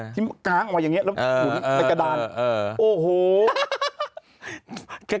ที่มันกลางมาอย่างนี้แล้วหลุมออกไปกระดาน